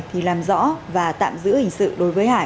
thì làm rõ và tạm giữ hình sự đối với hải